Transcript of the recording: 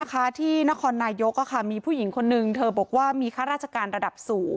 นะคะที่นครนายกอะค่ะมีผู้หญิงคนหนึ่งเธอบอกว่ามีค่าราชการระดับสูง